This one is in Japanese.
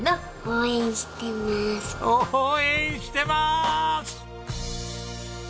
応援してまーす！